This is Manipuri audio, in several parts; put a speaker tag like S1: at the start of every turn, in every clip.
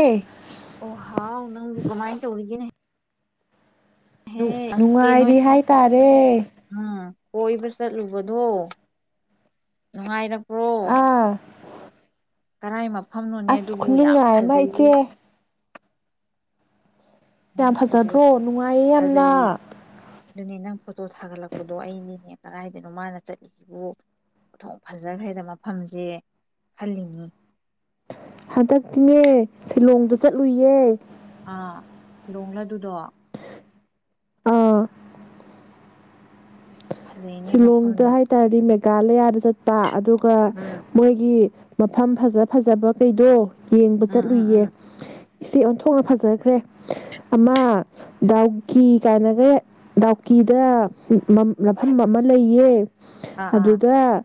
S1: ꯑꯦ
S2: ꯑꯣ ꯍꯥ ꯑꯣꯅ ꯀꯃꯥꯏ ꯇꯧꯔꯤꯒꯅꯦ ꯅꯪꯒꯤ ꯅꯣꯏ
S1: ꯅꯨꯡꯉꯥꯏꯔꯤ ꯍꯥꯏꯇꯥꯔꯦ
S2: ꯎꯝ ꯀꯣꯏꯕ ꯆꯠꯂꯨꯕꯗꯣ ꯅꯨꯡꯉꯥꯏꯔꯛ
S1: ꯑꯥ
S2: ꯀꯔꯥꯏꯃ ꯃꯐꯝꯅꯣꯅꯦ
S1: ꯑꯁ
S2: ꯑꯗꯨꯕꯨ ꯌꯥꯝ
S1: ꯈꯨꯅꯨꯡꯉꯥꯏ ꯑꯃ ꯏꯆꯦ
S2: ꯐꯖꯩꯌꯦ ꯅꯪ
S1: ꯌꯥꯝ
S2: ꯐꯣꯇꯣ
S1: ꯐꯖꯗ꯭ꯔꯣ ꯅꯨꯡꯉꯥꯏꯌꯦ ꯌꯥꯝꯅ
S2: ꯐꯖꯩꯌꯦ ꯑꯗꯨꯅꯦ ꯅꯪ ꯐꯣꯇꯣ ꯊꯥꯒꯠꯂꯛꯄꯗꯣ ꯑꯩꯅꯦꯅꯦ ꯀꯗꯥꯏꯗꯅꯣ ꯃꯥꯅ ꯆꯠꯂꯤꯁꯤꯕꯨ ꯄꯣꯊꯣꯡ ꯐꯖꯈ꯭ꯔꯦꯗ ꯃꯐꯝꯁꯦ ꯈꯜꯂꯤꯅꯤ
S1: ꯍꯟꯗꯛꯇꯤꯅꯦ ꯁꯤꯂꯣꯡꯗ ꯆꯠꯂꯨꯏꯌꯦ
S2: ꯑꯥ ꯏꯔꯣꯡꯂꯗꯨꯗꯣ
S1: ꯑꯥ
S2: ꯐꯖꯩꯅꯦ
S1: ꯁꯤꯂꯣꯡꯗ
S2: ꯃꯐꯝꯗꯣ
S1: ꯍꯥꯏꯇꯥꯥꯔꯗꯤ ꯀꯥꯂꯌꯥꯗ ꯆꯠꯄ ꯑꯗꯨ
S2: ꯎꯝ
S1: ꯃꯣꯏꯒꯤ ꯃꯐꯝ ꯐꯖ ꯐꯖꯕ ꯀꯩꯗꯣ ꯌꯦꯡꯕ
S2: ꯎꯝ
S1: ꯆꯠꯂꯨꯏꯌꯦ
S2: ꯎꯝ ꯎꯝ
S1: ꯏꯆꯦ ꯑꯣꯟꯊꯣꯛꯅ ꯐꯖꯈ꯭ꯔꯦ ꯑꯃ ꯗꯥꯎꯀꯤ ꯀꯥꯏꯅꯒ ꯗꯥꯎꯀꯤꯗ ꯃꯐꯝ ꯑꯃ ꯂꯩꯌꯦ
S2: ꯑꯥ ꯑꯥ
S1: ꯑꯗꯨꯗ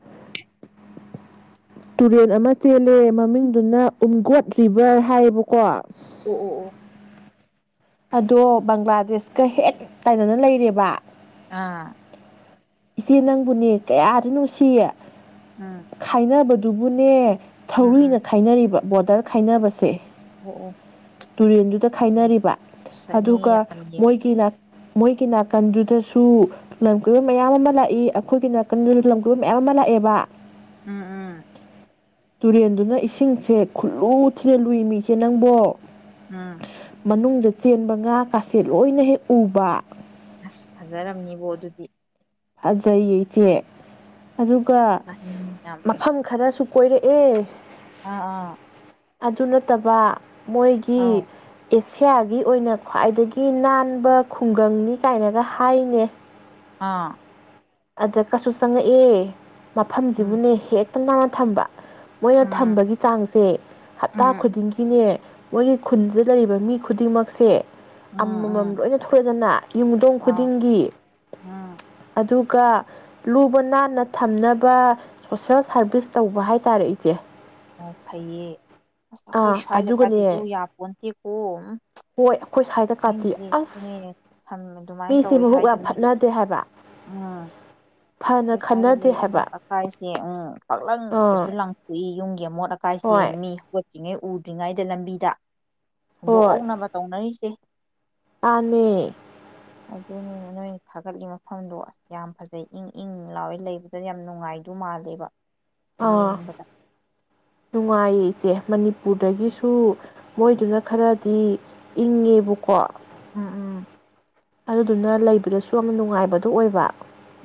S1: ꯇꯨꯔꯦꯜ ꯑꯃ ꯆꯦꯜꯂꯦ ꯃꯃꯤꯡꯗꯨꯅ ꯎꯝꯒꯣꯠ ꯚꯔ ꯍꯥꯏꯌꯦꯕꯀꯣ
S2: ꯎ ꯑꯣ ꯑꯣ
S1: ꯑꯗꯣ ꯕꯪꯒ꯭ꯂꯥꯗꯦꯁꯀ ꯍꯦꯛ ꯇꯥꯏꯅꯅ ꯂꯩꯔꯦꯕ
S2: ꯑꯥ
S1: ꯏꯆꯦ ꯅꯪꯕꯨꯅꯦ ꯀꯌꯥꯗꯤ ꯅꯨꯡꯁꯤꯌꯦ
S2: ꯎꯝ
S1: ꯈꯥꯏꯅꯕ ꯇꯕꯨꯨꯅꯦ
S2: ꯎꯝ
S1: ꯊꯧꯔꯨꯏꯅ
S2: ꯎꯝ
S1: ꯈꯥꯏꯅꯔꯤꯕ ꯕꯣꯗꯔ ꯈꯥꯏꯅꯕꯁꯦ
S2: ꯑꯣ ꯑꯣ
S1: ꯇꯨꯔꯦꯟꯗꯨꯗ ꯈꯥꯏꯅꯔꯤꯕ
S2: ꯆꯠꯅꯤꯡꯉꯤ
S1: ꯑꯗꯨꯒ
S2: ꯌꯥꯝ ꯌꯦꯡ
S1: ꯃꯣꯏꯒꯤꯅ ꯃꯣꯏꯒꯤ ꯅꯥꯀꯟꯗꯨꯗꯁꯨ ꯂꯝ ꯀꯣꯏꯕ ꯃꯌꯥꯝ ꯑꯃ ꯂꯥꯛꯏ ꯑꯩꯈꯣꯏꯒꯤ ꯅꯥꯀꯟꯗꯨꯗ ꯂꯝ ꯀꯣꯏꯕ ꯃꯌꯥꯝ ꯑꯃ ꯂꯥꯛꯑꯦꯕ
S2: ꯎꯝ ꯎꯝ
S1: ꯇꯨꯔꯦꯟꯗꯨꯅ ꯏꯁꯤꯡꯁꯦ ꯈꯨꯠꯂꯨ ꯊꯤꯅ ꯂꯨꯏꯃꯤꯁꯦ ꯅꯪꯕꯣ
S2: ꯎꯝ
S1: ꯃꯅꯨ ꯆꯦꯟꯕ ꯉꯥ ꯀꯥꯁꯦ ꯂꯣꯏꯅ ꯍꯦꯛ ꯎꯕ
S2: ꯑꯁ ꯐꯖꯔꯝꯅꯤꯕꯣ ꯑꯗꯨꯗꯤ
S1: ꯐꯖꯩꯌꯦ ꯏꯆꯦ ꯑꯗꯨꯒ
S2: ꯆꯥꯅꯤꯡ ꯌꯥꯝ
S1: ꯃꯐꯝ ꯈꯔꯁꯨ ꯀꯣꯏꯔꯛꯦ
S2: ꯑꯥ ꯑꯥ
S1: ꯑꯗꯨ ꯅꯠꯇꯕ ꯃꯣꯏꯒꯤ
S2: ꯑꯥꯎ
S1: ꯁꯤꯌꯥꯒꯤ ꯑꯣꯏꯅ ꯈ꯭ꯋꯥꯏꯗꯒꯤ ꯅꯥꯟꯕ ꯈꯨꯡꯒꯪꯅꯤ ꯀꯥꯏꯅꯒ ꯍꯥꯏꯅꯦ
S2: ꯑꯥ
S1: ꯑꯗ ꯀꯩꯁꯨ ꯆꯪꯉꯛꯑꯦ
S2: ꯎꯝ
S1: ꯃꯐꯝꯁꯤꯕꯨꯅꯦ ꯍꯦꯛ ꯅꯥꯟꯅ ꯊꯝꯕ ꯃꯣꯏꯅ
S2: ꯎꯝ
S1: ꯊꯝꯕꯒꯤ ꯆꯥꯡꯁꯦ ꯍꯞꯇꯥ
S2: ꯎꯝ
S1: ꯈꯨꯗꯤꯡꯒꯤꯅꯦ ꯃꯣꯏꯒꯤ ꯈꯨꯟꯁꯤꯗ ꯂꯩꯔꯤꯕ ꯃꯤ ꯈꯨꯗꯤꯡꯃꯛꯁꯦ
S2: ꯎꯝ
S1: ꯑꯃꯃꯝ
S2: ꯎꯝ
S1: ꯂꯣꯏꯅ ꯊꯣꯛꯂꯗꯅ ꯌꯨꯝꯊꯣꯡ
S2: ꯑꯥ
S1: ꯈꯨꯗꯤꯡꯒꯤ
S2: ꯎꯝ
S1: ꯑꯗꯨ ꯑꯗꯨꯒ ꯂꯨꯕ ꯅꯥꯟꯅ ꯊꯝꯅꯕ ꯁꯣꯁꯦꯜ ꯁꯥꯔꯚꯤꯁ ꯇꯧꯕ ꯍꯥꯏꯇꯥꯔꯦ ꯏꯆꯦ
S2: ꯑꯣ ꯐꯩꯌꯦ ꯑꯩꯈꯣꯏ
S1: ꯑꯥ
S2: ꯁꯋꯥꯏ ꯗꯒꯥꯗꯤ ꯗꯨ
S1: ꯑꯗꯨꯒꯅꯦ
S2: ꯌꯥꯄꯣꯟꯇꯤ ꯀ‌ꯣ
S1: ꯍꯣꯏ ꯁ꯭ꯋꯥꯏꯗ ꯀꯥꯇꯤ
S2: ꯃꯤꯗꯤ
S1: ꯑꯁ
S2: [unintelligible] ꯑꯗꯨꯃꯥꯏꯅ
S1: ꯃꯤꯁꯦ
S2: ꯇꯧꯋꯦ
S1: ꯃꯕꯨꯛ
S2: ꯍꯥꯏꯗꯨ
S1: ꯌꯥꯝ
S2: ꯃꯤꯒꯤꯗꯤ
S1: ꯐꯠꯅꯗꯦ ꯍꯥꯏꯕ
S2: ꯎꯝ
S1: ꯐꯅ
S2: ꯑꯩꯈꯣꯏ ꯁꯋꯥꯗꯗꯤ
S1: ꯈꯟꯅꯗꯦ ꯍꯥꯏꯕ
S2: ꯑꯃꯣꯠ ꯑꯀꯥꯏꯁꯦ ꯎꯝ
S1: ꯑꯥ
S2: ꯄꯥꯛꯂꯪꯗꯁꯨ ꯂꯪꯊꯣꯛꯏ ꯌꯨꯝ ꯒꯤ ꯃꯣꯠ ꯑꯀꯥꯏꯁꯤ
S1: ꯍꯣꯏ
S2: ꯃꯤ ꯎꯗ꯭ꯔꯤꯉꯥꯏꯗ ꯂꯝꯕꯤꯗ
S1: ꯍꯣꯏ
S2: ꯍꯨꯟꯗꯣꯛꯍꯧꯅꯕ ꯇꯧꯅꯔꯤꯁꯦ꯫
S1: ꯃꯥꯅꯦ꯫
S2: ꯑꯗꯨꯅꯦ ꯅꯣꯏꯅ ꯊꯥꯒꯠꯂꯤ ꯃꯐꯝꯗꯣ ꯑꯁ ꯌꯥꯝ ꯐꯖꯩ ꯏꯪ - ꯏꯪ ꯂꯥꯎꯋ ꯂꯩꯕꯗ ꯌꯥꯝ ꯅꯨꯡꯉꯥꯏꯗꯧ ꯃꯥꯜꯂꯤꯕ꯫
S1: ꯑꯥ ꯅꯨꯡꯉꯥꯏꯌꯦ ꯏꯆꯦ ꯃꯅꯤ ꯄꯨꯔꯗꯒꯤꯁꯨ ꯃꯣꯏꯗꯨꯅ ꯈꯔꯗꯤ ꯏꯪꯉꯦꯕꯀꯣ꯫
S2: ꯎꯝ -ꯎꯝ꯫
S1: ꯑꯗꯨꯗꯨꯅ ꯂꯩꯕꯗꯁꯨ ꯌꯥꯝꯅ ꯅꯨꯡꯉꯥꯏꯕꯗꯨꯣ ꯑꯣꯏꯕ꯫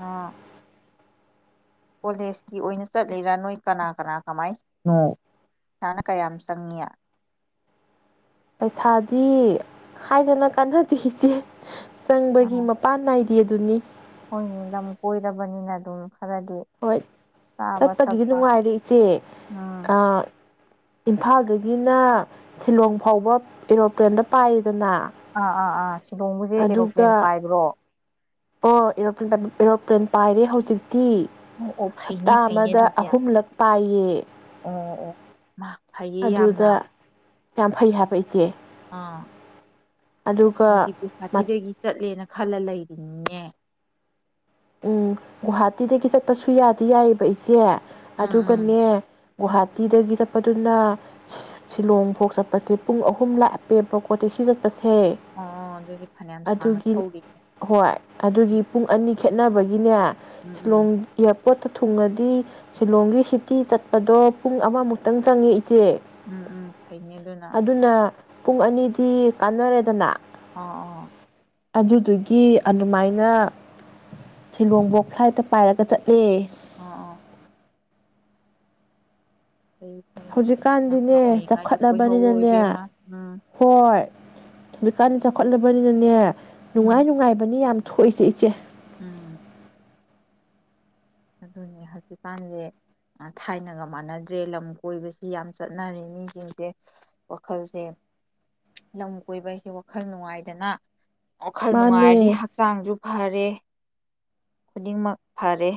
S2: ꯑꯥ꯫ ꯀꯣꯂꯦꯖꯀꯤ ꯑꯣꯏꯅ ꯆꯠꯂꯤꯔꯥ ꯅꯣꯏ ꯀꯅꯥ - ꯀꯅꯥ ꯀꯃꯥꯏꯅ ꯆꯠꯂꯤꯅꯣ ꯄꯩꯁꯅꯥ ꯀꯌꯥꯝ ꯆꯪꯉꯤ?
S1: ꯄꯩꯁꯥꯗꯤ ꯍꯥꯏꯗꯅ ꯀꯥꯟꯅꯗꯦ ꯏꯆꯦ꯫ ꯆꯪꯕꯒꯤ
S2: ꯑꯥ
S1: ꯃꯄꯥꯟ ꯅꯥꯏꯗ꯫ ꯗꯦ ꯗꯨꯅꯤ꯫
S2: ꯍꯣꯏꯅꯦ ꯂꯝ ꯀꯣꯏꯔꯕꯅꯤꯅ ꯑꯗꯨꯝ ꯈꯔꯗꯤ
S1: ꯍꯣꯏ
S2: ꯆꯥꯕ
S1: ꯆꯠꯄꯒꯤꯗꯤ
S2: ꯊꯛꯄ
S1: ꯅꯨꯡꯉꯥꯏꯔꯦ ꯏꯆꯦ꯫
S2: ꯎꯝ
S1: ꯏꯝꯐꯥꯜꯗꯒꯤꯅ ꯁꯤꯂꯣꯡ ꯐꯥꯎꯕ ꯑꯦꯔꯣꯄ꯭ꯂꯦꯟꯗ ꯄꯥꯏ
S2: ꯑ ꯑꯥ ꯑꯥ꯫ ꯁꯤꯂꯣꯡꯕꯁꯦ ꯑꯦꯔꯣꯄ꯭ꯂꯦꯟ
S1: ꯑꯗꯨꯒ
S2: ꯄꯥꯏꯕ꯭ꯔꯣ?
S1: ꯑꯣ ꯑꯦꯔꯣꯄ꯭ꯂꯦꯟ ꯑꯦꯔꯣꯄ꯭ꯂꯦꯟ ꯄꯥꯏꯔꯦ ꯍꯧꯖꯤꯛꯇ ꯇꯤ
S2: ꯑꯣ ꯑꯣ ꯐꯩꯅꯦ
S1: ꯍꯞꯇꯥ
S2: ꯐꯩꯅꯦ
S1: ꯑꯃꯗ
S2: ꯑꯗꯨꯗꯤ ꯑꯣ
S1: ꯑꯍꯨꯝꯂꯛ ꯄꯥꯏꯌꯦ
S2: ꯑꯣ ꯃꯥ ꯐꯩꯌꯦ ꯌꯥꯝꯅ
S1: ꯑꯗꯨꯗ ꯌꯥꯝ ꯐꯩ ꯍꯥꯏꯕ ꯏꯆꯦ꯫
S2: ꯑꯥ
S1: ꯑꯗꯨꯒ
S2: ꯑꯩꯗꯤ ꯒꯨꯍꯥꯇꯤꯗꯒꯤ ꯆꯠꯂꯦꯅ ꯈꯂ ꯂꯩꯔꯤꯅꯤꯅꯦ꯫
S1: ꯎꯝ ꯒꯨꯍꯥꯇꯤꯗꯒꯤ ꯆꯠꯄꯁꯨ ꯌꯥꯗꯤ ꯌꯥꯏꯑꯕ ꯏꯆꯦ꯫
S2: ꯎꯝ ꯎꯝ
S1: ꯑꯗꯨꯒꯅꯦ ꯒꯨꯍꯥꯇꯤꯗꯒꯤ ꯆꯠꯄꯗꯨꯅ ꯁꯤꯂꯣꯡꯐꯥꯎ ꯆꯠꯄꯁꯦ ꯄꯨꯡ ꯑꯍꯨꯝ ꯂꯥꯄꯦꯕ ꯇꯦꯛꯁꯤ ꯆꯠ ꯄꯥꯁꯦ
S2: ꯑꯣ ꯑꯗꯨꯗꯤ ꯐꯅꯌꯥꯝ ꯁꯥꯡꯅ
S1: ꯑꯗꯨꯒꯤ
S2: ꯊꯧꯔꯤꯅꯦ
S1: ꯍꯣꯏ
S2: ꯎꯝ
S1: ꯑꯗꯨꯒꯤ ꯄꯨꯡ ꯑꯅꯤ ꯈꯦꯠꯅꯕꯒꯤꯅꯦ
S2: ꯎꯝ
S1: ꯁꯤꯂꯣꯡ ꯏꯌꯥꯔ ꯄꯣꯠꯇ ꯊꯨꯡꯉꯗꯤ ꯁꯤꯂꯣꯡꯒꯤ ꯁꯤꯇꯤ ꯆꯠꯄꯗꯣ ꯄꯨꯡ ꯑꯃꯃꯨꯛꯇꯪ ꯆꯪꯉꯤ꯫
S2: ꯎꯝ - ꯎꯝ ꯐꯩꯅꯦ ꯑꯗꯨꯅ꯫
S1: ꯄꯨꯡ ꯑꯅꯤꯗꯤ ꯀꯥꯟꯅꯔꯦꯗꯅ꯫
S2: ꯑꯥ - ꯑꯥ꯫
S1: ꯑꯗꯨꯗꯨꯒꯤ ꯑꯗꯨꯃꯥꯏꯅ ꯁꯤꯂꯣꯡꯐꯣꯛ ꯐ꯭ꯂꯥꯏꯠꯇ ꯄꯥꯏꯔꯒ ꯆꯠꯂꯦ꯫
S2: ꯑꯥ - ꯑꯥ꯫ ꯑꯩ ꯐꯔꯦꯅ ꯅꯍꯥ
S1: ꯍꯧꯖꯤꯛꯀꯥꯟꯗꯤꯅꯦ
S2: ꯑꯣꯏꯔꯤꯉꯩꯗ
S1: ꯆꯥꯎꯈꯠꯂꯕꯅꯤꯅꯅꯦ
S2: ꯀꯣꯏꯍꯧꯔꯣꯏꯕꯦꯝꯃ ꯎꯝ
S1: ꯍꯧꯀꯥꯟ ꯆꯥꯎꯈꯠꯂꯕꯅꯤꯅꯅꯦ ꯅꯨꯡꯉꯥꯏ
S2: ꯎꯝ
S1: ꯅꯨꯡꯉꯥꯏꯕꯅꯤ ꯌꯥꯝ ꯊꯣꯛꯏꯁꯦ ꯏꯆꯦ
S2: ꯎꯝ ꯑꯗꯨꯅꯦ ꯍꯧꯖꯤꯛꯀꯥꯟꯖꯦ ꯊꯥꯏꯅꯒ ꯃꯥꯟꯅꯗ꯭ꯔꯦ ꯂꯝ ꯀꯣꯏꯕꯁꯤ ꯌꯥꯝ ꯆꯠꯅꯔꯦ ꯃꯤꯁꯤꯡꯁꯦ ꯋꯥꯈꯜꯁꯦ ꯂꯝ ꯀꯣꯏꯕ ꯍꯥꯏꯁꯦ ꯋꯥꯈꯜ ꯅꯨꯡꯉꯥꯏꯗꯅ ꯋꯥꯈꯜ ꯅꯨꯡꯉꯥꯏꯔꯗꯤ
S1: ꯃꯥꯅꯦ
S2: ꯍꯛꯆꯥꯡꯁꯨ ꯐꯔꯦ ꯈꯨꯗꯤꯡꯃꯛ ꯐꯔꯦ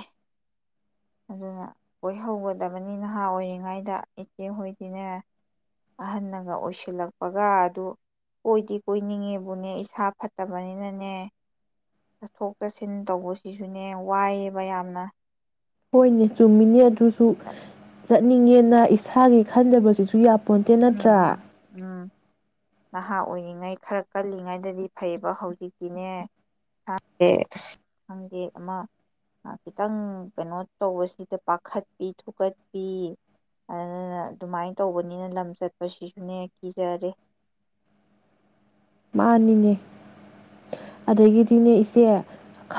S2: ꯑꯗꯨꯅ ꯀꯣꯏꯍꯧꯒꯗꯕꯅꯤ ꯅꯍꯥ ꯑꯣꯏꯔꯤꯉꯩꯗ ꯏꯆꯦꯍꯣꯏꯗꯤꯅꯦ ꯑꯍꯟꯅꯒ ꯑꯣꯏꯁꯤꯜꯂꯛꯄꯒ ꯑꯗꯨ ꯀꯣꯏꯗꯤ ꯀꯣꯏꯅꯤꯡꯉꯦꯕꯨꯅꯦ ꯏꯁꯥ ꯐꯠꯇꯕꯅꯤꯅꯅꯦ ꯆꯠꯊꯣꯛ ꯆꯠꯁꯤꯟ ꯇꯧꯕꯁꯤꯁꯨꯅꯦ ꯋꯥꯏꯌꯦꯕ ꯌꯥꯝꯅ
S1: ꯍꯣꯏꯅꯦ ꯆꯨꯝꯃꯤꯅꯦ ꯑꯗꯨ ꯁꯨ ꯆꯠꯅꯤꯡꯉꯦꯅ ꯏꯁꯥꯒꯤ ꯈꯟꯗꯕꯁꯤꯁꯨ ꯌꯥꯝ ꯄꯣꯟꯇꯦ
S2: ꯎꯝ
S1: ꯅꯠꯇ꯭ꯔꯥ
S2: ꯎꯝ ꯎꯝ ꯅꯍꯥ ꯑꯣꯏꯔꯤꯉꯩ ꯈꯔ ꯀꯜꯂꯤꯉꯩꯗꯗꯤ ꯐꯩꯌꯦꯕ ꯍꯧꯖꯤꯛꯇꯤꯅꯦ ꯈꯗꯦ ꯑꯁ ꯈꯪꯗꯦ ꯑꯃ ꯈꯤꯇꯪ ꯀꯩꯅꯣ ꯇꯧꯕꯁꯤꯗ ꯄꯥꯈꯠꯄꯤ ꯊꯨꯀꯠꯄꯤ ꯑꯗꯨꯅ ꯑꯗꯨꯃꯥꯏꯅ ꯇꯧꯕꯅꯤꯅ ꯂꯝ ꯁꯠꯄꯁꯤꯁꯨꯅꯦ ꯀꯤ ꯖꯔꯦ
S1: ꯃꯥꯅꯤꯅꯦ ꯑꯗꯒꯤꯗꯤꯅꯦ ꯏꯆꯦ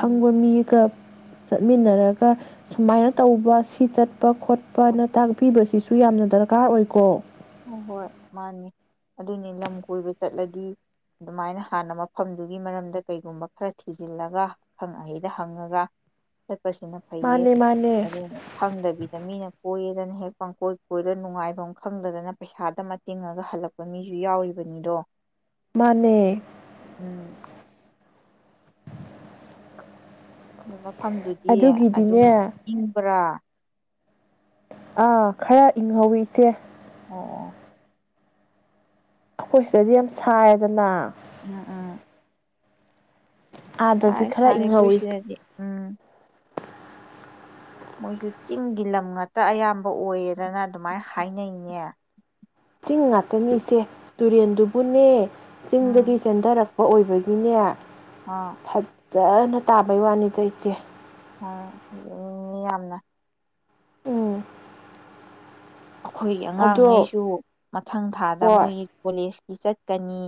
S2: ꯎꯝ
S1: ꯆꯠꯃꯤꯟꯅꯔꯒ ꯁꯨꯃꯥꯏꯅ ꯇꯧꯕ ꯁꯤ ꯆꯠ ꯈꯣꯠꯄꯅ ꯇꯥꯛꯄꯤꯕꯁꯤꯁꯨ ꯁꯨ ꯌꯥꯝꯅ ꯗꯔꯀꯥꯔ ꯑꯣꯏꯀꯣ
S2: ꯍꯣ ꯍꯣꯏ ꯃꯥꯅꯤ ꯑꯗꯨꯅꯤ ꯂꯝ ꯀꯣꯏꯕ ꯆꯠꯂꯗꯤ ꯑꯗꯨꯃꯥꯏꯅ ꯍꯥꯟꯅ ꯃꯐꯝꯗꯨꯒꯤ ꯃꯔꯝꯗ ꯀꯩꯒꯨꯝꯕ ꯈꯔ ꯊꯤꯖꯤꯜꯂꯒ ꯑꯈꯪ ꯑꯍꯩꯗ ꯍꯪꯉꯒ ꯆꯠꯄꯁꯤꯅ ꯐꯩꯌꯦ
S1: ꯃꯥꯅꯦ ꯃꯥꯅꯦ
S2: ꯑꯗꯨꯅ ꯈꯪꯗꯕꯤꯗ ꯃꯤꯅ ꯄꯣꯌꯦ ꯗꯅ ꯍꯦꯛ ꯄꯥꯡꯀꯣꯏ ꯀꯣꯏꯔ ꯅꯨꯡꯉꯥꯏꯐꯝ ꯈꯪꯗꯗꯅ ꯄꯩꯁꯥꯗ ꯃꯇꯤꯡꯉꯒ ꯍꯜꯂꯛꯄ ꯃꯤꯖꯨ ꯌꯥꯎꯔꯤꯕꯅꯤꯗꯣ
S1: ꯃꯥꯅꯦ
S2: ꯎꯝ ꯃꯐꯝꯗꯨꯗꯤ ꯑꯗꯨꯝ
S1: ꯑꯗꯨꯒꯤꯗꯤꯅꯦ
S2: ꯏꯪꯕ꯭ꯔꯥ
S1: ꯑꯥ ꯈꯔ ꯏꯪꯍꯧꯋꯤ ꯏꯆꯦ
S2: ꯑꯣ ꯑꯣ
S1: ꯑꯩꯈꯣꯏ ꯁꯤꯗꯗꯤ ꯌꯥꯝ ꯁꯥꯏꯌꯦꯗꯅ
S2: ꯎꯝ ꯎꯝ
S1: ꯑꯥꯗꯗꯤ
S2: ꯁꯥꯔꯦ
S1: ꯈꯔ
S2: ꯁꯥꯔꯦ ꯑꯩꯈꯣꯏ
S1: ꯏꯪꯍꯧꯋꯤ
S2: ꯁꯤꯗꯗꯤ ꯎꯝ ꯃꯣꯏꯁꯨ ꯆꯤꯡꯒꯤ ꯂꯝ ꯉꯥꯛꯇ ꯑꯌꯥꯝꯕ ꯑꯣꯏꯌꯦꯗꯅ ꯑꯗꯨꯃꯥꯏꯅ ꯍꯥꯏꯅꯩꯅꯦ
S1: ꯆꯤꯡ ꯉꯥꯛꯇꯅꯤ ꯏꯆꯦ ꯇꯨꯔꯦꯟꯗꯨꯕꯨꯅꯦ
S2: ꯎꯝ
S1: ꯆꯤꯡꯗꯒꯤ ꯆꯦꯟꯊꯔꯛ ꯑꯣꯏꯕꯒꯤꯅꯦ ꯊ
S2: ꯑꯥ
S1: ꯐꯖꯅ ꯇꯥꯕꯩ ꯋꯥꯅꯤꯗ ꯏꯆꯦ
S2: ꯑꯥ ꯃꯤ ꯌꯥꯝꯅ
S1: ꯎꯝ
S2: ꯑꯩꯈꯣꯏꯒꯤ
S1: ꯑꯗꯣ
S2: ꯑꯉꯥꯡꯉꯩꯁꯨ ꯃꯊꯪ ꯊꯥꯗ
S1: ꯍꯣꯏ
S2: ꯃꯣꯏꯒꯤ ꯀꯣꯂꯦꯖ ꯆꯠꯀꯅꯤ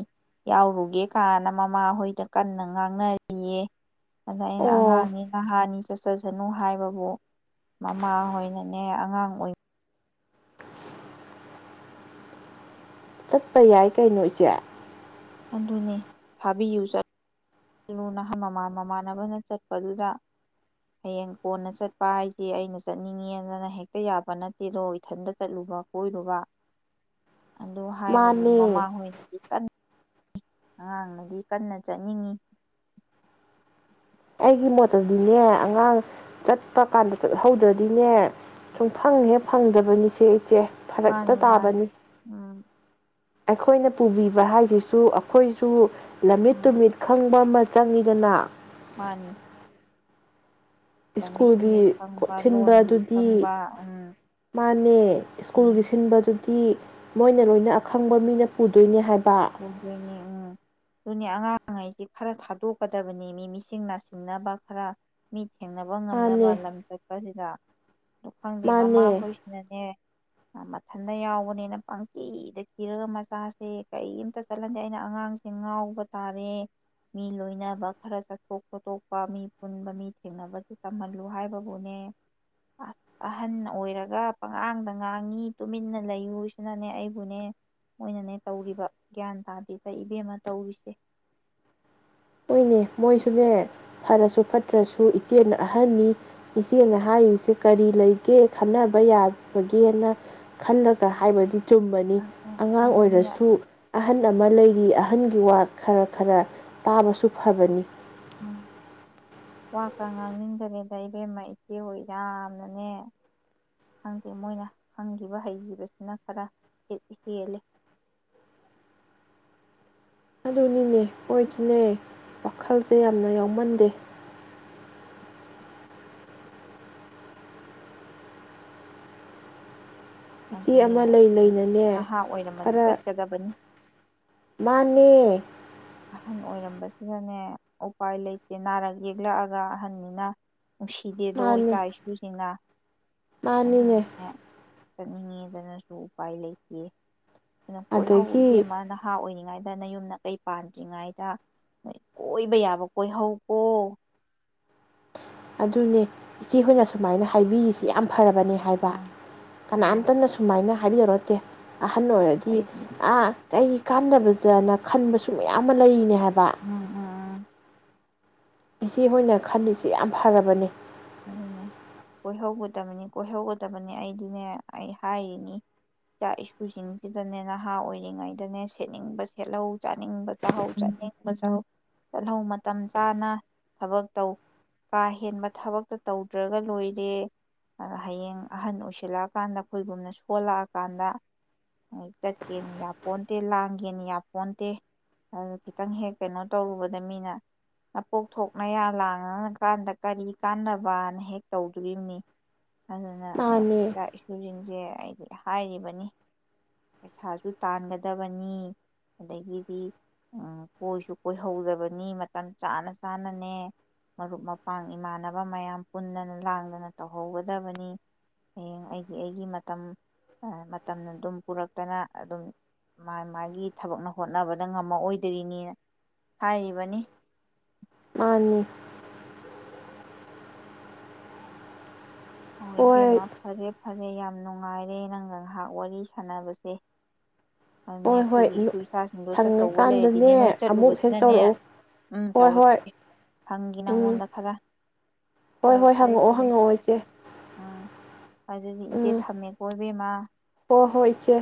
S2: ꯌꯥꯎꯔꯨꯒꯦ ꯀꯥꯏꯅ ꯃꯃꯥꯍꯣꯏꯗ ꯀꯟꯅ ꯉꯥꯡꯅꯔꯤꯌꯦ ꯑꯗ ꯑꯩꯅ
S1: ꯑꯣ
S2: ꯑꯉꯥꯡꯅꯦ ꯅꯍꯥꯅꯤ ꯆꯠꯆꯁꯅꯨ ꯍꯥꯏꯕꯕꯨ ꯃꯃꯥꯍꯣꯏꯅꯅꯦ ꯑꯉꯥꯡ ꯑꯣꯏ
S1: ꯆꯠꯄ ꯌꯥꯏ ꯀꯩꯅꯣ ꯏꯆꯦ
S2: ꯑꯗꯨꯅꯤ ꯊꯥꯕꯤꯌꯨ ꯆꯠꯂꯨ ꯅꯍꯥꯟ ꯃꯃꯥꯟ ꯃꯃꯥꯟꯅꯕꯅ ꯆꯠꯄꯗꯨꯗ ꯍꯌꯦꯡ ꯀꯣꯟꯅ ꯆꯠꯄ ꯍꯥꯏꯁꯦ ꯑꯩꯅ ꯆꯠꯅꯤꯡꯉꯦꯗꯅ ꯍꯦꯛꯇ ꯌꯥꯕ ꯅꯠꯇꯦꯗꯣ ꯏꯊꯟꯇ ꯆꯠꯂꯨꯕ ꯀꯣꯏꯔꯨꯕ ꯑꯗꯨ ꯍꯥꯏꯕꯕꯨ ꯃꯃꯥ
S1: ꯃꯥꯅꯦ
S2: ꯍꯣꯏꯅꯗꯤ ꯀꯟ ꯑꯉꯥꯡꯅꯗꯤ ꯀꯟꯅ ꯆꯠꯅꯤꯡꯉꯤ
S1: ꯑꯩꯒꯤ ꯃꯣꯠꯇꯗꯤꯅꯦ ꯑꯉꯥꯡ ꯆꯠꯄ ꯀꯥꯟꯗ ꯆꯠꯍꯧꯗ꯭ꯔꯗꯤꯅꯦ ꯁꯨꯝ ꯐꯪꯍꯦ ꯐꯪꯗꯕꯅꯤꯁꯦ ꯏꯆꯦ
S2: ꯃꯥꯅꯤ
S1: ꯐꯔꯛꯇ
S2: ꯃꯥꯅꯤ
S1: ꯇꯥꯕꯅꯤ
S2: ꯎꯝ
S1: ꯑꯩꯈꯣꯏꯅ ꯄꯨꯕꯤꯕ ꯍꯥꯏꯁꯤꯁꯨ ꯑꯩꯈꯣꯏꯁꯨ ꯂꯝꯃꯤꯠ
S2: ꯎꯝ
S1: ꯇꯨꯃꯤꯠ ꯈꯪꯕ ꯆꯪꯉꯤꯗꯅ
S2: ꯃꯥꯅꯤ ꯂꯝꯃꯤꯠ
S1: ꯁ꯭ꯀꯨꯜꯒꯤ
S2: ꯇꯨꯃꯤꯠ ꯈꯪꯕ ꯂꯣꯟꯂꯤ
S1: ꯁꯤꯟꯕꯗꯨꯗꯤ
S2: ꯈꯪꯕ ꯎꯝ
S1: ꯃꯥꯅꯦ ꯁ꯭ꯀꯨꯜꯒꯤ
S2: ꯎꯝ
S1: ꯁꯤꯟꯕꯗꯨ ꯇꯤ ꯃꯣꯏꯅ ꯂꯣꯏꯅ ꯑꯈꯪꯕ ꯃꯤꯅ ꯄꯨꯗꯣꯏꯅꯦ ꯍꯥꯏꯕ
S2: ꯄꯨꯗꯨꯏꯅꯦ ꯎꯝ ꯑꯗꯨꯅꯤ ꯑꯉꯥꯡꯈꯩꯁꯤ ꯈꯔ ꯊꯥꯗꯣꯛꯀꯗꯕꯅꯦꯃꯤ ꯃꯤꯁꯤꯡ ꯅꯥꯁꯤꯡꯅꯕ ꯈꯔ ꯃꯤ ꯊꯦꯡꯅꯕ ꯉꯝꯅꯕ
S1: ꯃꯥꯅꯦ
S2: ꯂꯝ ꯆꯠꯄꯁꯤꯗ ꯑꯗꯨ ꯈꯪꯗꯦ
S1: ꯃꯥꯅꯦ
S2: ꯃꯃꯥꯍꯣꯏꯁꯤꯅꯅꯦ ꯃꯊꯟꯇ ꯌꯥꯎꯕꯅꯤꯅ ꯄꯪꯀꯤꯗ ꯀꯤꯔꯒ ꯃꯆꯥꯁꯦ ꯀꯔꯤꯝꯇ ꯆꯠꯍꯟꯗꯦ ꯑꯩꯅ ꯑꯉꯥꯡꯁꯦ ꯉꯥꯎꯕ ꯇꯥꯔꯦ ꯃꯤ ꯂꯣꯏꯅꯕ ꯈꯔ ꯆꯠꯊꯣꯛ ꯈꯣꯇꯣꯛꯄ ꯃꯤ ꯄꯨꯟꯕ ꯃꯤ ꯊꯦꯡꯅꯕꯁꯨ ꯇꯝꯍꯜꯂꯨ ꯍꯥꯏꯕꯕꯨꯅꯦ ꯑꯁ ꯑꯍꯟ ꯑꯣꯏꯔꯒ ꯄꯉꯥꯡꯗ ꯉꯥꯡꯉꯤ ꯇꯨꯃꯤꯟꯅ ꯂꯩꯌꯨ ꯁꯤꯅꯅꯦ ꯑꯩꯕꯨꯅꯦ ꯃꯣꯏꯅꯅꯦ ꯇꯧꯔꯤꯕ ꯒ꯭ꯌꯥꯟ ꯇꯥꯗꯦꯗ ꯏꯕꯦꯝꯃ ꯇꯧꯔꯤꯁꯦ
S1: ꯍꯣꯏꯅꯦ ꯃꯣꯏꯁꯨꯅꯦ ꯐꯔꯁꯨ ꯐꯠꯇ꯭ꯔꯁꯨ ꯏꯆꯦꯅ ꯑꯍꯟꯅꯤ ꯏꯆꯦꯅ ꯍꯥꯏꯔꯤꯁꯦ ꯀꯔꯤ ꯂꯩꯒꯦ ꯈꯟꯅꯕ ꯌꯥꯕꯒꯦꯅ ꯈꯜꯂꯒ ꯍꯥꯏꯕꯗꯤ ꯆꯨꯝꯕꯅꯤ
S2: ꯑꯗꯨ
S1: ꯑꯉꯥꯡ
S2: ꯑꯗꯨꯅꯦ
S1: ꯑꯣꯏꯔꯁꯨ ꯑꯍꯟ ꯑꯃ ꯂꯩꯔꯤ ꯑꯍꯟꯒꯤ ꯋꯥ ꯈꯔ ꯈꯔ ꯇꯥꯕꯁꯨ ꯐꯕꯅꯤ
S2: ꯎꯝ ꯋꯥꯀ ꯉꯥꯡꯅꯤꯡꯗꯔꯦꯗ ꯏꯕꯦꯝꯃ ꯏꯆꯦ ꯍꯣꯏ ꯌꯥꯝꯅꯅꯦ ꯈꯪꯗꯦ ꯃꯣꯏꯅ ꯈꯪꯈꯤꯕ ꯍꯩꯈꯤꯕꯁꯤꯅ ꯈꯔ ꯈꯤꯛ ꯍꯦꯜꯂꯤ
S1: ꯑꯗꯨꯅꯤꯅꯦ ꯃꯣꯏꯁꯨꯅꯦ ꯋꯥꯈꯜꯁꯦ ꯌꯥꯝꯅ ꯌꯥꯎꯃꯟꯗꯦ ꯏꯆꯦ
S2: ꯍꯥꯏꯗꯤꯅꯦ
S1: ꯑꯃ ꯂꯩ
S2: ꯑꯗꯨꯝ
S1: ꯂꯩꯅꯅꯦ
S2: ꯅꯍꯥ ꯑꯣꯏꯔꯝꯃꯗꯤ
S1: ꯈꯔ
S2: ꯆꯠꯀꯗꯕꯅꯤ
S1: ꯃꯥꯅꯦ
S2: ꯑꯍꯟ ꯑꯣꯏꯔꯝꯕꯁꯤꯗꯅꯦ ꯎꯄꯥꯏ ꯂꯩꯇꯦ ꯅꯥꯔꯛ ꯌꯦꯛꯂꯛꯑꯒ ꯑꯍꯟꯅꯤꯅ ꯅꯨꯡꯁꯤꯗꯦꯗꯣ
S1: ꯃꯥꯅꯦ
S2: ꯏꯆꯥ ꯏꯁꯨꯁꯤꯡꯅ ꯑꯗꯨꯅꯦ
S1: ꯃꯥꯅꯤꯅꯦ
S2: ꯆꯅꯤ ꯇꯅꯁꯨ ꯎꯥꯏ ꯂꯩꯦꯈꯤꯦ ꯑꯗꯨꯅ ꯀꯣꯏꯍꯧꯕ
S1: ꯑꯗꯒꯤ
S2: ꯏꯕꯦꯝꯃ ꯅꯍꯥ ꯑꯣꯏꯅ ꯀꯉꯗꯅ ꯌꯨꯝꯗ ꯀꯩ ꯄꯥꯟꯗ꯭ꯔꯤꯉꯩꯗ ꯀꯣꯏꯕ ꯌꯥꯕ ꯀꯣꯏꯍꯧꯀꯣ
S1: ꯑꯗꯨꯅꯦ ꯏꯆꯦ ꯍꯣꯏꯅ ꯁꯨꯃꯥꯏꯅ ꯍꯥꯏꯕꯤꯔꯤꯁꯤ ꯌꯥꯝ ꯐꯔꯕꯅꯤ ꯍꯥꯏꯕ
S2: ꯎꯝ ꯎꯝ
S1: ꯀꯅꯥꯝꯇꯅ ꯁꯨꯃꯥꯏꯅ ꯍꯥꯏꯕꯤꯔꯛꯣ ꯅꯀꯦ ꯑꯍꯟ
S2: ꯑꯁ
S1: ꯑꯣꯏꯔꯗꯤ
S2: ꯑꯩꯗꯤ
S1: ꯑꯥ ꯑꯩꯒꯤ ꯀꯥꯟꯅꯕꯗꯅ ꯈꯟꯕꯁꯨ ꯃꯌꯥꯝ ꯑꯃ ꯂꯩꯔꯤꯅꯦ ꯍꯥꯏꯕ
S2: ꯎꯝ ꯎꯝ ꯎꯝ
S1: ꯏꯆꯦ ꯍꯣꯏꯅ ꯈꯜꯂꯤꯁꯤ ꯌꯥꯝ ꯐꯔꯕꯅꯤ
S2: ꯑꯗꯨꯅꯦ ꯀꯣꯏꯍꯧꯒꯗꯕꯅꯤ ꯀꯣꯏꯍꯧꯒꯗꯕꯅꯤ ꯑꯩꯗꯤꯅꯦ ꯑꯩ ꯍꯥꯏꯔꯤꯅꯤ ꯏꯆꯥ ꯏꯁꯨꯨꯁꯤꯡꯁꯤꯗꯅꯦ ꯅꯍꯥ ꯑꯣꯏꯔꯤꯉꯩꯗꯅꯦ ꯁꯦꯠꯅꯤꯡꯕ ꯁꯦꯠꯍꯧ ꯆꯥꯅꯤꯡꯕ ꯆꯥꯍꯧ ꯆꯥꯅꯤꯡꯕ ꯆꯧ ꯆꯠꯍꯧ ꯃꯇꯝ ꯆꯥꯅ ꯊꯕꯛ ꯇꯧ ꯀꯥ ꯍꯦꯟꯕ ꯊꯕꯛ ꯇ ꯇꯧꯗ꯭ꯔꯒ ꯂꯣꯏꯔꯦ ꯑ ꯍꯌꯦꯡ ꯑꯍꯟ ꯑꯣꯏꯁꯤꯜꯂꯛꯑꯀꯥꯟꯗ ꯑꯩꯈꯣꯏꯒꯨꯝꯅ ꯁꯣꯜꯂꯛꯑꯀꯥꯟꯗ ꯆꯠꯀꯦꯅ ꯌꯥꯄꯣꯟꯇꯦ ꯂꯥꯡꯒꯦꯅ ꯌꯥꯄꯣꯟꯇꯦ ꯑꯗꯨ ꯈꯤꯇꯪ ꯍꯦꯛ ꯀꯩꯅꯣ ꯇꯧꯔꯨꯕꯗ ꯃꯤꯅ ꯅꯄꯣꯛꯊꯣꯛꯅꯌꯥ ꯂꯥꯡꯀꯥꯟꯗ ꯀꯔꯤ ꯀꯥꯟꯅꯕ ꯕꯥꯅ ꯍꯦꯛ ꯇꯧꯗꯣꯔꯤꯕꯅꯤ ꯑꯗꯨꯅꯅꯦ
S1: ꯃꯥꯅꯦ
S2: ꯏ ꯁꯨꯔꯤꯅꯤ ꯁꯦ ꯑꯩꯗꯤ ꯍꯥꯏꯔꯤꯕꯅꯤ ꯄꯩꯁꯥꯁꯨ ꯇꯥꯟꯒꯗꯕꯅꯤ ꯑꯗꯒꯤꯗꯤ ꯀꯣꯏꯁꯨ ꯀꯣꯏꯍꯧꯗꯕꯅꯤ ꯃꯇꯝ ꯆꯥꯅ ꯆꯥꯅꯅꯦ ꯃꯔꯨꯞ ꯃꯄꯥꯡ ꯏꯃꯥꯟꯅꯕ ꯃꯌꯥꯝ ꯄꯨꯟꯗꯅ ꯂꯥꯡꯗꯅ ꯇꯧꯍꯧꯒꯗꯕꯅꯤ ꯍꯌꯦꯡ ꯑꯩꯒꯤ ꯑꯩꯒꯤ ꯃꯇꯝ ꯃꯇꯝꯅ ꯑꯗꯨꯝ ꯄꯨꯔꯛꯇꯅ ꯑꯗꯨꯝ ꯃꯥ ꯃꯥꯒꯤ ꯊꯕꯛꯅ ꯍꯣꯠꯅꯕꯗ ꯉꯝꯃꯑꯣꯏꯗꯣꯏꯅꯤꯅ ꯍꯥꯏꯔꯤꯕꯅꯤ
S1: ꯃꯥꯅꯤ
S2: ꯍꯣꯏ ꯏꯕꯦꯝꯃ ꯐꯔꯦ ꯐꯔꯦ ꯌꯥꯝ ꯅꯨꯡꯉꯥꯏꯔꯦ ꯅꯪ ꯉꯥꯏꯍꯥꯛ ꯋꯥꯔꯤ ꯁꯥꯟꯅꯕꯁꯦ ꯑꯗꯨꯅꯦ
S1: ꯍꯣꯏ ꯍꯣꯏ
S2: ꯑꯩꯈꯣꯏꯒꯤ ꯏꯁꯨ ꯏꯆꯥꯁꯤꯡꯗꯣ ꯆꯠꯇꯧꯕ ꯂꯩꯔꯗꯤꯅꯦ
S1: ꯁꯪꯉꯀꯥꯟꯗꯅꯦ
S2: ꯅꯣꯏ
S1: ꯑꯃꯨꯛ ꯍꯦꯛ
S2: ꯆꯠꯂꯨꯕꯅꯤꯅꯅꯦ
S1: ꯇꯧꯔꯛꯎ
S2: ꯎꯝ
S1: ꯍꯣꯏ ꯍꯣꯏ
S2: ꯇꯧꯔꯛꯀꯦ ꯐꯪꯈꯤ
S1: ꯎꯝ
S2: ꯅꯪꯉꯣꯟꯗ ꯈꯔ
S1: ꯍꯣꯏ
S2: ꯑꯣ
S1: ꯍꯣꯏ
S2: ꯐꯔꯦ
S1: ꯍꯪꯉꯛꯑꯣ
S2: ꯐꯔꯦ
S1: ꯍꯪꯉꯛꯑꯣ ꯏꯆꯦ
S2: ꯎꯝ ꯑꯗꯨꯗꯤ ꯏꯆꯦ ꯊꯝꯃꯦꯀꯣ ꯀꯃ
S1: ꯍ ꯍꯣꯏꯁꯦ